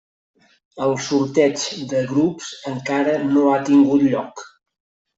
El sorteig de grups encara no ha tingut lloc.